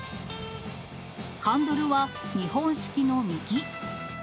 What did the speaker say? ハンドルは日本式の右。